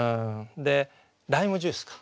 ライムジュースか。